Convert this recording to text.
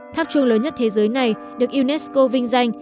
tháp chuông lớn nhất thế giới này được unesco vinh danh